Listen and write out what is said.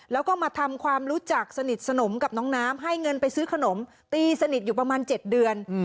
แล้วก็มาทำความรู้จักสนิทสนมกับน้องน้ำให้เงินไปซื้อขนมตีสนิทอยู่ประมาณ๗เดือน